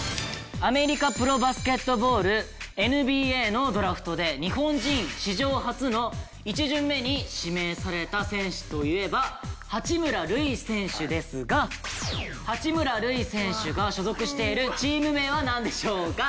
アメリカプロバスケットボールＮＢＡのドラフトで日本人史上初の１巡目に指名された選手といえば八村塁選手ですが八村塁選手が所属しているチーム名はなんでしょうか？